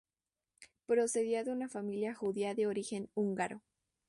Procedía de una familia judía de origen húngaro.